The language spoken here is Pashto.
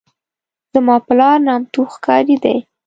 زما پلار نامتو ښکاري دی.